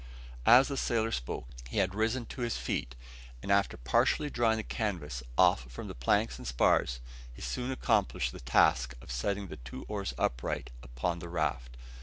As the sailor spoke, he had risen to his feet; and after partially drawing the canvas off from the planks and spars, he soon accomplished the task of setting the two oars upright upon the raft.